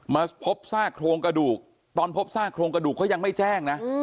มาพบซากโครงกระดูกตอนพบซากโครงกระดูกเขายังไม่แจ้งนะ